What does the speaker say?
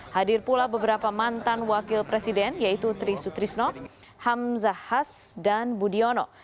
hadir pula beberapa mantan wakil presiden yaitu tri sutrisno hamzahas dan budiono